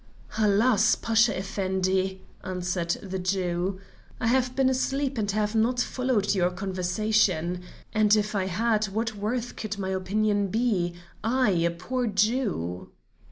"Alas! Pasha Effendi," answered the Jew, "I have been asleep, and have not followed your conversation; and if I had, what worth could my opinion be, I, a poor Jew?"